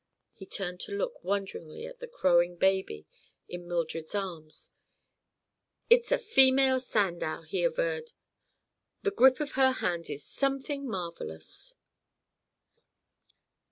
He turned to look wonderingly at the crowing baby in Mildred's arms. "It's a female Sandow!" he averred. "The grip of her hands is something marvelous!"